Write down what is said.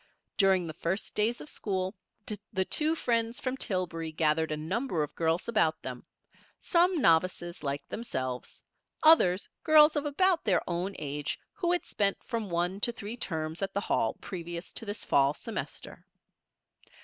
During the first days of school the two friends from Tillbury gathered a number of girls about them; some novices like themselves; others, girls of about their own age who had spent from one to three terms at the Hall previous to this fall semester.